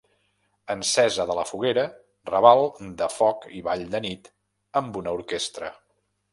Encesa de la foguera, raval de foc i Ball de nit amb una orquestra.